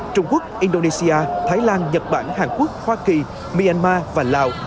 trung quốc indonesia thái lan nhật bản hàn quốc hoa kỳ myanmar và lào